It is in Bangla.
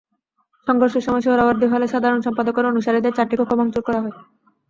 সংঘর্ষের সময় সোহরাওয়ার্দী হলে সাধারণ সম্পাদকের অনুসারীদের চারটি কক্ষ ভাঙচুর করা হয়।